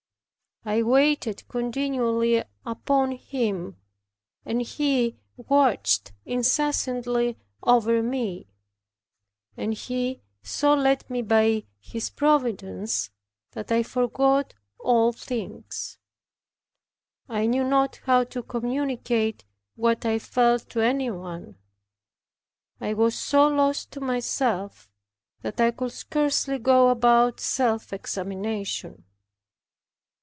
I waited continually upon Him, and He watched incessantly over me, and He so led me by His providence, that I forgot all things. I knew not how to communicate what I felt to anyone. I was so lost to myself, that I could scarcely go about self examination.